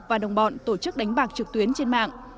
và đồng bọn tổ chức đánh bạc trực tuyến trên mạng